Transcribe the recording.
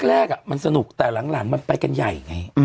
แรกมันสนุกแต่หลังมันไปกันใหญ่ไง